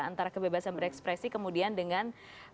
antara kebebasan berekspresi kemudian dengan